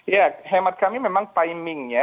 ya hemat kami memang timingnya